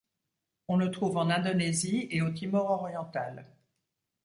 On le trouve en Indonésie et au Timor oriental.